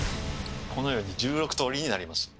このように１６通りになります。